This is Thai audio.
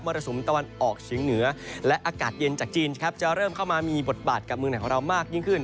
รสุมตะวันออกเฉียงเหนือและอากาศเย็นจากจีนครับจะเริ่มเข้ามามีบทบาทกับเมืองไหนของเรามากยิ่งขึ้น